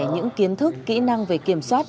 những kiến thức kỹ năng về kiểm soát